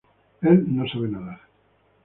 Él no sabe nadar.